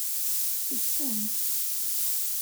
Setten.